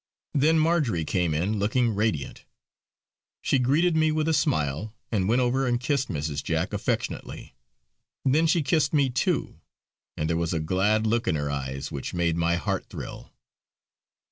Then Marjory came in, looking radiant. She greeted me with a smile, and went over to and kissed Mrs. Jack affectionately. Then she kissed me too, and there was a glad look in her eyes which made my heart thrill.